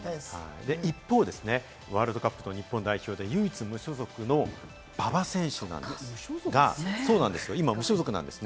一方、ワールドカップ日本代表で唯一、無所属の馬場選手なんですが、今、無所属なんです。